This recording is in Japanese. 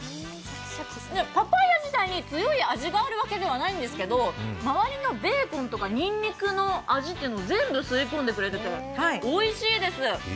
パパイヤ自体に強い味があるわけではないんですけど、周りのベーコンとかにんにくの味というのを全部吸い込んでくれておいしいです。